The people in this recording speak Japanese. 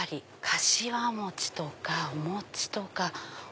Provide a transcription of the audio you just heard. かしわ餅とかお餅とか。